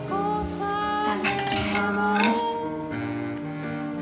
いただきます。